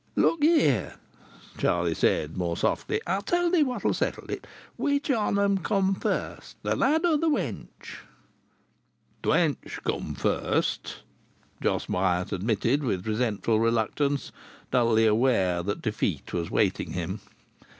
"Look ye here," Charlie said more softly. "I'll tell thee what'll settle it. Which on 'em come first, th' lad or th'wench?" "Th' wench come first," Jos Myatt admitted, with resentful reluctance, dully aware that defeat was awaiting him.